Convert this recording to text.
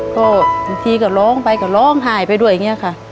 ก็บางทีก็ร้องไปก็ร้องไห้ไปด้วยอย่างนี้ค่ะ